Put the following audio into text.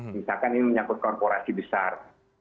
misalkan ini menyangkut korporasi besar